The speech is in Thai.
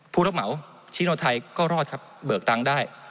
ผู้รับเหมาชิโนไทยก็รอดครับเบิกตังค์ได้